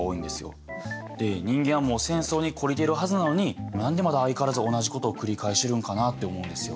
で人間はもう戦争に懲りてるはずなのに何でまだ相変わらず同じことを繰り返してるんかなって思うんですよ。